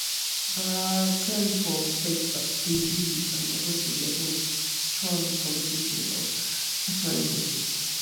Vattenfall states that they bid unaggressively against strong competition without sacrificing margins.